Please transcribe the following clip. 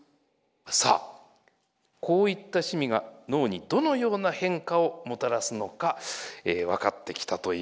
さあこういった趣味が脳にどのような変化をもたらすのか分かってきたといいます。